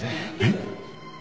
えっ！